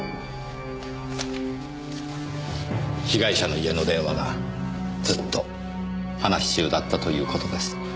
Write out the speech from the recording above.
被害者の家の電話がずっと話し中だったという事です。